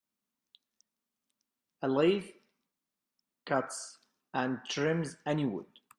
A lathe cuts and trims any wood.